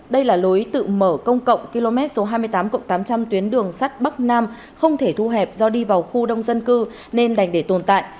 đây là lối tự mở công cộng km số hai mươi tám cộng tám trăm linh tuyến đường sắt bắc nam không thể thu hẹp do đi vào khu đông dân cư nên đành để tồn tại